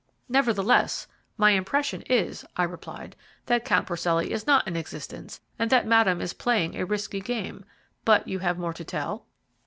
"Nevertheless, my impression is," I replied, "that Count Porcelli is not in existence, and that Madame is playing a risky game; but you have more to tell?"